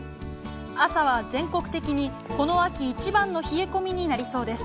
朝は全国的に、この秋一番の冷え込みになりそうです。